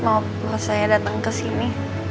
bahwa saya datang kesini